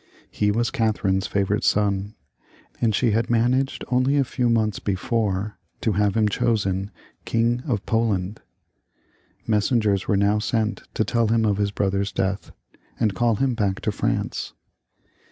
He was Catherine's favourite son, and she had managed only a few months before to have him chosen King of Poland. Messengers were now sent to teU him of his brother's death, and call him back to France.